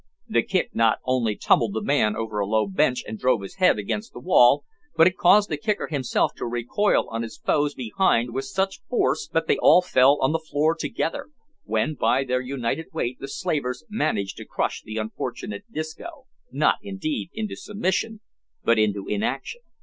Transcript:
The kick not only tumbled the man over a low bench and drove his head against the wall, but it caused the kicker himself to recoil on his foes behind with such force that they all fell on the floor together, when by their united weight the slavers managed to crush the unfortunate Disco, not, indeed, into submission, but into inaction.